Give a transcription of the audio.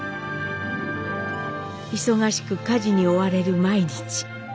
忙しく家事に追われる毎日。